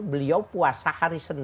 beliau puasa hari senen